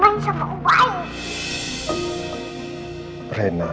aku mau main sama om baik